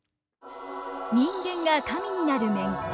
人間が神になる面。